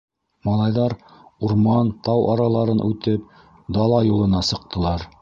Малайҙар, урман, тау араларын үтеп, дала юлына сыҡтылар.